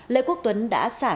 lê quốc tuấn đã sát đánh bạc